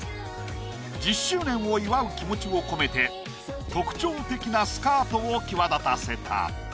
１０周年を祝う気持ちを込めて特徴的なスカートを際立たせた。